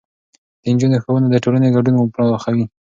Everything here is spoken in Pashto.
د نجونو ښوونه د ټولنې ګډون پراخوي.